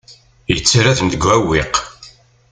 Yettarra-ten deg uɛewwiq.